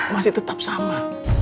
masih tetap sama